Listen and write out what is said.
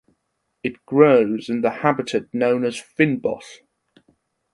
It grows in the habitat known as fynbos.